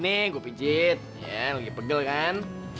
ini gue pijit lagi pegel kan